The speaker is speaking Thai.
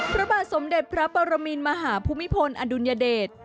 พระบาทสมเด็จพระปรมินมหาภูมิพลอดุลยเดช